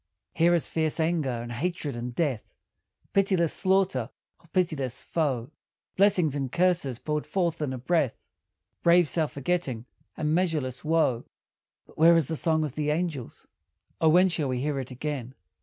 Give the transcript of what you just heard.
Here is fierce anger and hatred and death, Pitiless slaughter of pitiless foe; Blessings and curses poured forth in a breath; Brave self forgetting, and measureless woe. But where is the song of the angels? O when shall we hear it again?